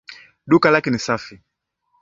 Duka lake ni safi